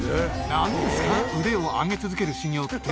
何ですか腕を上げ続ける修行って。